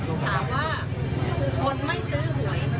ถามว่าคนไม่ซื้อหวย